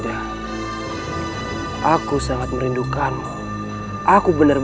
dan juga terima kasih